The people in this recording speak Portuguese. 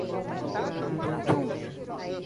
Tuntum